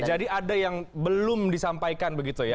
jadi ada yang belum disampaikan begitu ya